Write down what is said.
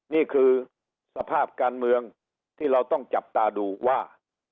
นี่คือสภาพการเมืองที่เราต้องจับตาดูว่า